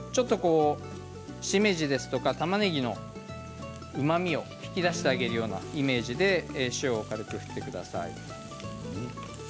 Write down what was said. しめじですとか、たまねぎのうまみを引き出してあげるようなイメージで塩を軽く振ってください。